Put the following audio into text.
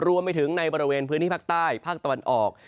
รวมไปถึงในบริเวณพื้นที่ภาคใต้ภาคตะวันออก